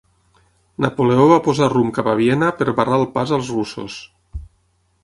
Napoleó va posar rumb cap a Viena per barrar el pas als russos.